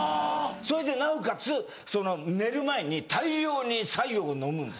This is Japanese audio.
そいでなおかつ寝る前に大量に白湯を飲むんです。